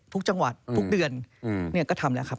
ทุกจังหวัดทุกเดือนก็ทำแล้วครับ